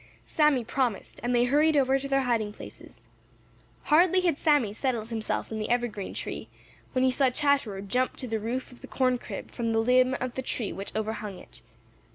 Sammy promised, and they hurried over to their hiding places. Hardly had Sammy settled himself in the evergreen tree when he saw Chatterer jump to the roof of the corn crib from the limb of the tree which overhung it.